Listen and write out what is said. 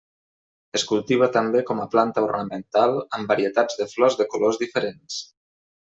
Es cultiva també com a planta ornamental, amb varietats de flors de colors diferents.